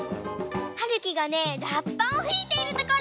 はるきがねらっぱをふいているところ！